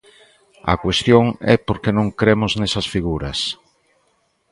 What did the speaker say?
A cuestión é por que non cremos nesas figuras.